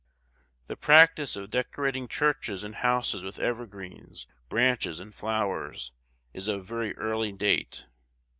The practice of decorating churches and houses with evergreens, branches, and flowers, is of very early date.